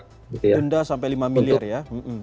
denda sampai lima miliar ya